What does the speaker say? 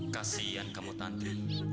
kasian kamu tantri